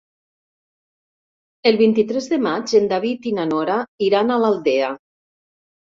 El vint-i-tres de maig en David i na Nora iran a l'Aldea.